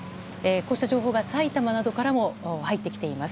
こうした情報が埼玉などからも入ってきています。